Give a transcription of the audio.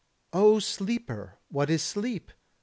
O sleeper, what is sleep?